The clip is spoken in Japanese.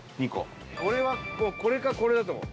俺はこれかこれだと思う。